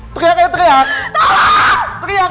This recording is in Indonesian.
teriak kayak teriak